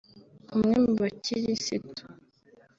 umwe mubakirisitu